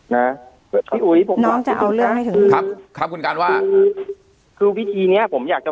นะพี่อุ๋ยผมน้องจะเอาเรื่องให้ถึงครับครับคุณกันว่าคือวิธีเนี้ยผมอยากจะ